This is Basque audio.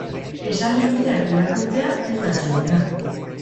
Esaldi luzeak irakurtzea ez da atsegina.